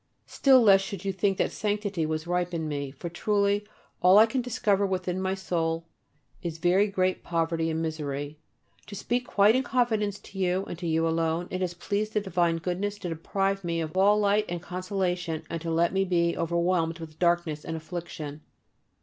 Still less should you think that sanctity was ripe in me, for truly all I can discover within my soul is very great poverty and misery. To speak quite in confidence to you and to you alone: it has pleased the divine Goodness to deprive me of all light and consolation, and to let me be overwhelmed with darkness and affliction.